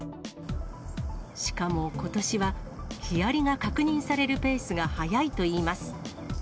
しかもことしは、ヒアリが確認されるペースが速いといいます。